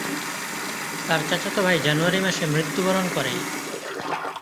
তার চাচাতো ভাই জানুয়ারি মাসে মৃত্যুবরণ করে।